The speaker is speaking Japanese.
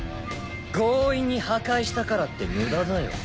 強引に破壊したからって無駄だよ。